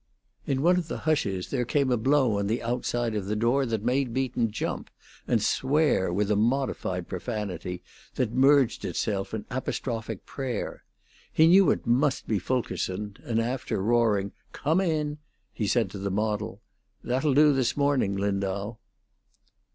In one of the hushes there came a blow on the outside of the door that made Beaton jump, and swear with a modified profanity that merged itself in apostrophic prayer. He knew it must be Fulkerson, and after roaring "Come in!" he said to the model, "That'll do this morning, Lindau."